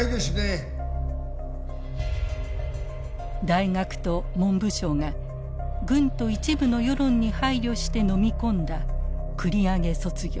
大学と文部省が軍と一部の世論に配慮して飲み込んだ繰り上げ卒業。